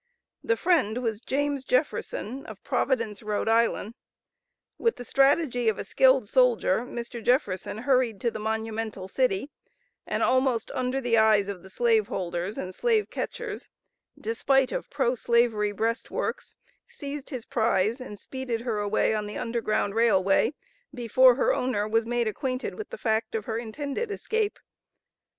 The friend was James Jefferson, of Providence, R.I. With the strategy of a skilled soldier, Mr. Jefferson hurried to the Monumental City, and almost under the eyes of the slave holders, and slave catchers, despite of pro slavery breastworks, seized his prize and speeded her away on the Underground Railway, before her owner was made acquainted with the fact of her intended escape.